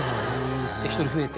１人増えて。